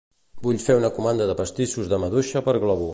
Vull fer una comanda de pastissos de maduixa per Glovo.